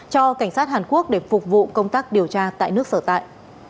cho cảnh sát hàn quốc để phục vụ công tác điều tra tại nước sở tại